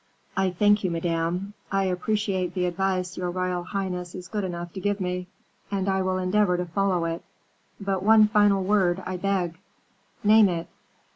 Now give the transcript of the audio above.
"I thank you, Madame; I appreciate the advice your royal highness is good enough to give me, and I will endeavor to follow it; but one final word, I beg." "Name it."